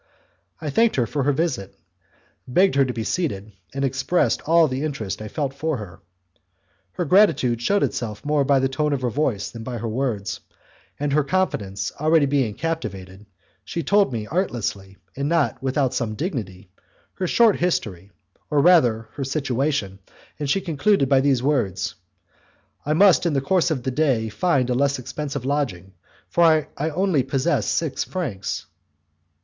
I thanked her for her visit, begged her to be seated, and I expressed all the interest I felt for her. Her gratitude shewed itself more by the tone of her voice than by her words, and her confidence being already captivated she told me artlessly, but not without some dignity, her short history or rather her situation, and she concluded by these words: "I must in the course of the day find a less expensive lodging, for I only possess six francs."